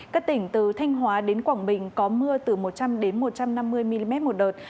các tỉnh từ thanh hóa đến quảng bình có mưa từ một trăm linh một trăm năm mươi mm một đợt